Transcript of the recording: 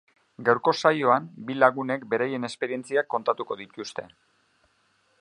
Gaurko saioan bi lagunek beraien esperientziak kontatuko dituzte.